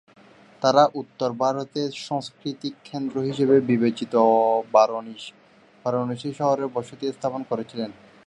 তাঁরা উত্তর ভারতের সাংস্কৃতিক কেন্দ্র হিসাবে বিবেচিত বারাণসী শহরে বসতি স্থাপন করেছিলেন।